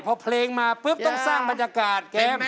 พอเพลงมาปุ๊บต้องสร้างบรรยากาศเกม